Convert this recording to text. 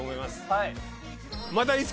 はい！